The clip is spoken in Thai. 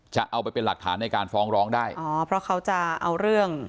จะเอาไปเป็นหลักฐานในการฟ้องร้องได้อ๋อเพราะเขาจะเอาเรื่อง